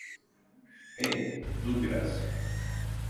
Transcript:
Hey, dur biraz.